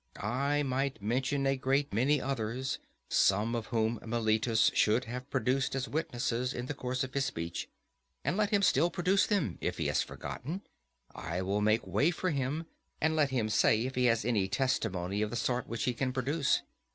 I might mention a great many others, some of whom Meletus should have produced as witnesses in the course of his speech; and let him still produce them, if he has forgotten—I will make way for him. And let him say, if he has any testimony of the sort which he can produce.